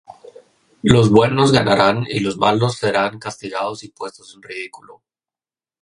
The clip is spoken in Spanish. Los buenos ganarán y los malos serán castigados y puestos en ridículo.